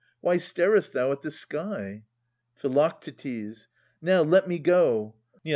Why starest thou at the sky? Phi. Now, let me go. Neo.